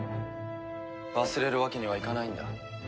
忘れるわけにはいかないんだ。